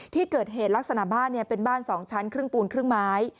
ที่เกิดเหตุลักษณะบ้านเป็นบ้าน๒ชั้นครึ่งปูนครึ่งไม้